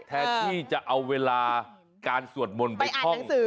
แท้ที่จะเอาเวลาการสวดมนต์ไปอ่านหนังสือ